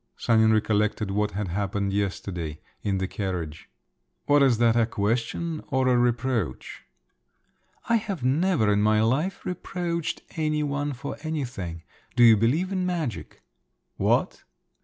Sanin recollected what had happened yesterday … in the carriage. "What is that—a question … or a reproach?" "I have never in my life reproached any one for anything. Do you believe in magic?" "What?"